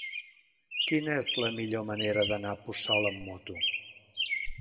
Quina és la millor manera d'anar a Puçol amb moto?